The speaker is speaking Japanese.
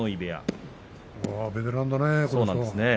ベテランだね。